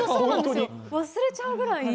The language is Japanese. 忘れちゃうぐらい。